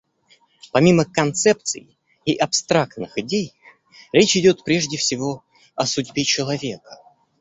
Помимо концепций и абстрактных идей речь идет, прежде всего, о судьбе человека.